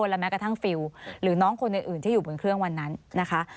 และแม้กระทั่งฟิลหรือน้องคนอื่นที่อยู่บนเครื่องวันนั้นนะคะ